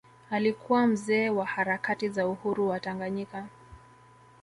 Alikuwa mzee wa harakati za uhuru wa Tanganyika